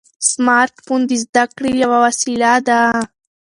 سمارټ فون د زده کړې یوه وسیله ده.